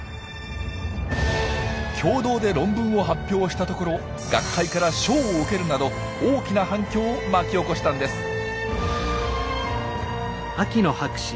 共同で論文を発表したところ学会から賞を受けるなど大きな反響を巻き起こしたんです。